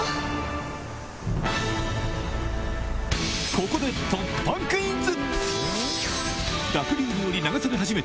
ここで突破クイズ！